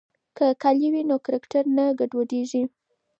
که کالي وي نو کرکټر نه ګډوډیږي.